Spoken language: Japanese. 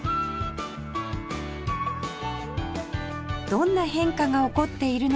どんな変化が起こっているのか？